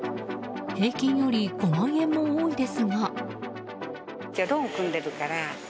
平均より５万円も多いですが。